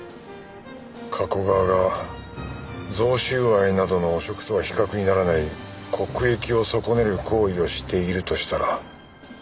加古川が贈収賄などの汚職とは比較にならない国益を損ねる行為をしているとしたら？